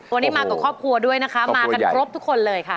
วันนี้มากับครอบครัวด้วยนะคะมากันครบทุกคนเลยค่ะ